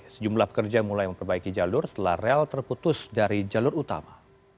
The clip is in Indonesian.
sejumlah pekerja mulai memperbaiki jalur setelah rel terputus dari jalur utama